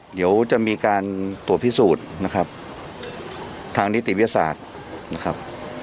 เดี๋ยวจะมีการตรวจพิสูจน์นะครับทางนิติวิทยาศาสตร์นะครับ